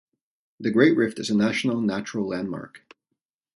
The Great Rift is a National Natural Landmark.